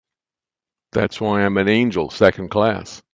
That's why I'm an angel Second Class.